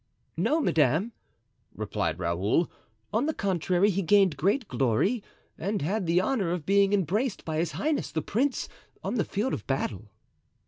"No, madame," replied Raoul; "on the contrary, he gained great glory and had the honor of being embraced by his highness, the prince, on the field of battle."